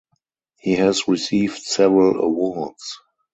He has received several awards.